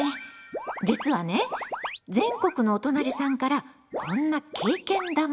実はね全国のおとなりさんからこんな経験談も届いてるのよ。